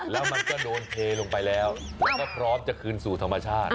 แล้วมันก็โดนเทลงไปแล้วแล้วก็พร้อมจะคืนสู่ธรรมชาติ